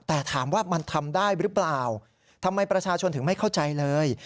แต่ถามว่ามันทำได้หรือเปล่าทำไมประชาชนถึงไม่เข้าใจเลย